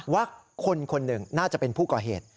ว่าคนคนหนึ่งน่าจะเป็นผู้ก่อเหตุ